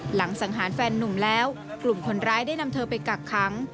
สังหารแฟนนุ่มแล้วกลุ่มคนร้ายได้นำเธอไปกักขัง